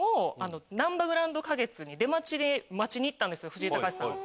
藤井隆さんを。